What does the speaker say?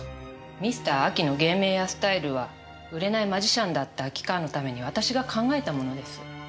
ミスター・アキの芸名やスタイルは売れないマジシャンだった秋川のために私が考えたものです。